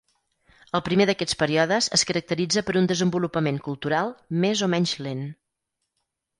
El primer d'aquests períodes es caracteritza per un desenvolupament cultural més o menys lent.